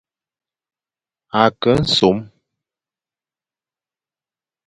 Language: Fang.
A ke nsom.